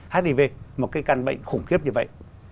hiv một cái căn bệnh khủng khiếp như vậy